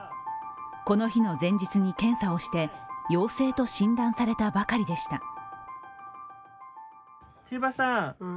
この日の前日に検査をして、陽性と診断されたばかりでした。